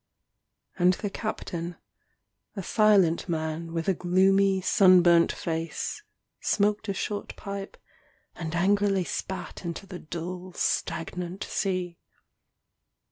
And the captain, a silent man with a gloomy, sunburnt face, smoked a short pipe and angrily spat into the dull, stagnant sea.